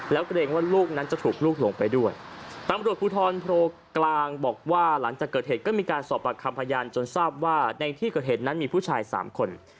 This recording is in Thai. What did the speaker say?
แล้วเกรงว่าลูกนั้นจะถูกลูกหลงไปด้วยตำรวจภูทรโพกลางบอกว่าหลังจากเกิดเหตุก็มีการสอบปากคำพยานจนทราบว่าในที่เกิดเหตุนั้นมีผู้ชายสามคน